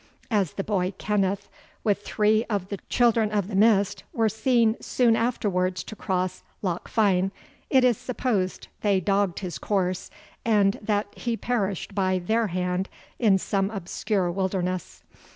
As the boy Kenneth, with three of the Children of the Mist, were seen soon afterwards to cross Lochfine, it is supposed they dogged his course, and that he perished by their hand in some obscure wilderness.